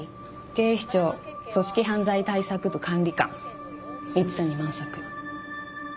警視庁組織犯罪対策部管理官蜜谷満作。